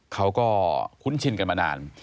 เขาก็คุ้นชินกันมานาน